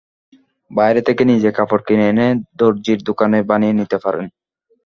বাইরে থেকে নিজে কাপড় কিনে এনে দরজির দোকানে বানিয়ে নিতে পারেন।